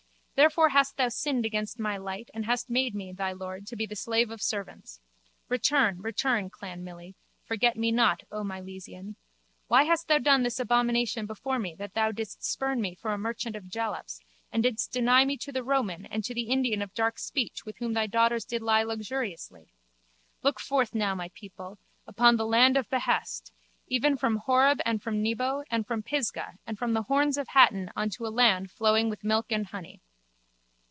Therefore hast thou sinned against my light and hast made me, thy lord, to be the slave of servants. Return, return, Clan Milly: forget me not, O Milesian. Why hast thou done this abomination before me that thou didst spurn me for a merchant of jalaps and didst deny me to the Roman and to the Indian of dark speech with whom thy daughters did lie luxuriously? Look forth now, my people, upon the land of behest, even from Horeb and from Nebo and from Pisgah and from the Horns of Hatten unto a land flowing with milk and money.